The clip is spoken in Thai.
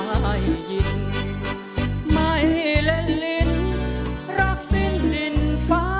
ได้ยินไม่เล่นลิ้นรักสิ้นลิ้นฟ้า